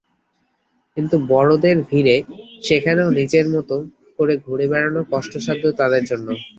কিন্তু বড়দের ভিড়ে সেখানেও নিজের মতো করে ঘুরে বেড়ানো কষ্টসাধ্য তাদের জন্য।